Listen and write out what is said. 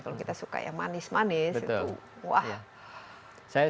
kalau kita suka ya manis manis itu wah bahaya